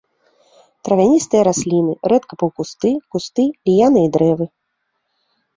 Травяністыя расліны, рэдка паўкусты, кусты, ліяны і дрэвы.